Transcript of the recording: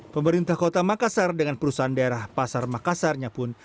pemerintah kota makassar dengan perusahaan daerah pasar makassarnya pun